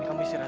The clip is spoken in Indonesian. kamu isi rata